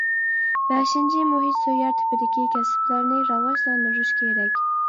بەشىنچى، مۇھىت سۆيەر تىپىدىكى كەسىپلەرنى راۋاجلاندۇرۇش كېرەك.